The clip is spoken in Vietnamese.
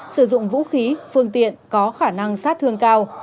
sử dụng vũ khí phương tiện có khả năng sát thương cao